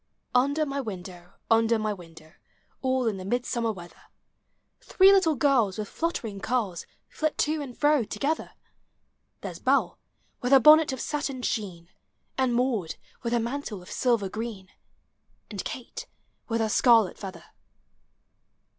Under niy window, uuder my window, All in the Midsummer weather, Three little girls with fluttering curls Flit to and fro together: — There 's Hell with her bonnet of satin sheen, And Maud with her mantle of silver green, And Kate with her scarlet feather.